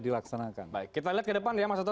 dilaksanakan baik kita lihat ke depan ya mas oto